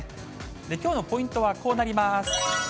きょうのポイントはこうなります。